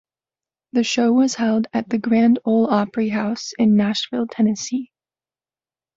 The show was held at the Grand Ole Opry House in Nashville, Tennessee.